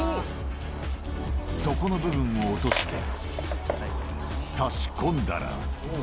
底の部分を落として、さし込んだら。